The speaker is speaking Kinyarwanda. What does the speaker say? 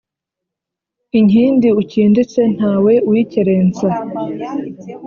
Inkindi ukinditse ntawe uyikerensa